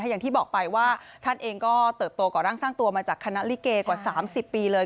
อย่างที่บอกไปว่าท่านเองก็เติบโตก่อร่างสร้างตัวมาจากคณะลิเกกว่า๓๐ปีเลย